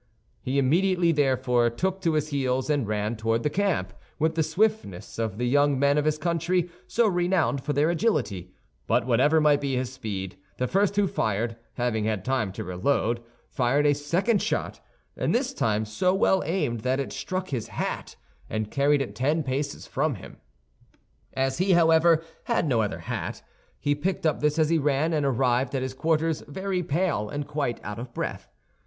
He immediately, therefore, took to his heels and ran toward the camp, with the swiftness of the young men of his country, so renowned for their agility; but whatever might be his speed, the first who fired, having had time to reload, fired a second shot, and this time so well aimed that it struck his hat, and carried it ten paces from him. As he, however, had no other hat, he picked up this as he ran, and arrived at his quarters very pale and quite out of breath.